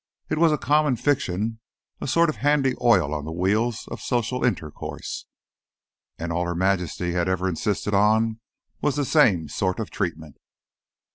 It was a common fiction, a sort of handy oil on the wheels of social intercourse. And all Her Majesty had ever insisted on was the same sort of treatment.